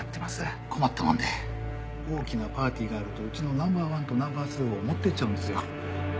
困ったもんで大きなパーティーがあるとうちのナンバー１とナンバー２を持っていっちゃうんですよ。